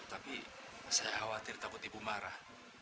tapi saya khawatir takut ibu marah